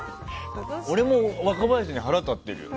俺も若林に腹が立ってるよ。